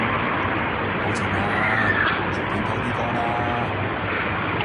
好靜呀，隨便播啲歌啦